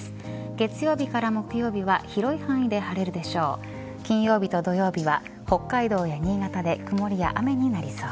月曜日から木曜日は広い範囲で晴れるでしょう。